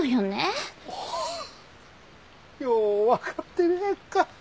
ようわかってるでねえか。